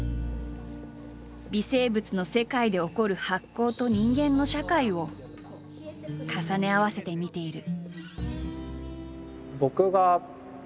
微生物の世界で起こる発酵と人間の社会を重ね合わせて見ている。